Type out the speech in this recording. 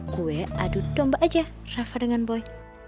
kue adu domba aja rafa dengan boy